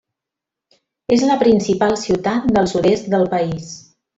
És la principal ciutat del sud-est del país.